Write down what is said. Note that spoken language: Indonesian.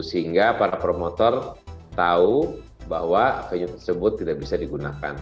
sehingga para promotor tahu bahwa venue tersebut tidak bisa digunakan